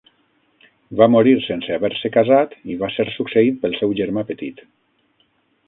Va morir sense haver-se casat i va ser succeït pel seu germà petit.